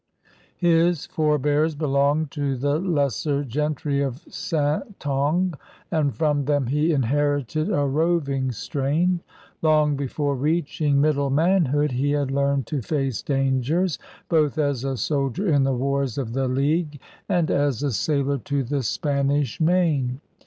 His forbears belonged to the lesser gentry of Saintonge, and from them he inherited a roving strain. Long before reaching middle manhood he had learned to face dangers, both as a soldier in the wars of the League and as a sailor to the Spanish Main.